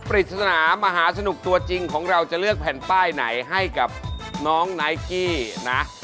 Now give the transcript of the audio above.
ปริศนามหาสนุกตัวจริงของเราจะเลือกแผ่นป้ายไหนให้กับน้องไนกี้นะ